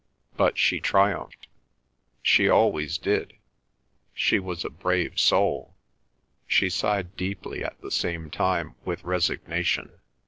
But she triumphed. She always did. She was a brave soul." She sighed deeply but at the same time with resignation.